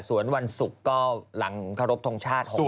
สวอนวันสุกหลังเขารบทงชาติ